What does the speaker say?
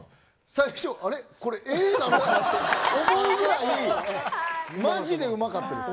最初、Ａなのかなと思うぐらいマジでうまかったです。